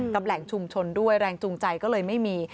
แหล่งชุมชนด้วยแรงจูงใจก็เลยไม่มี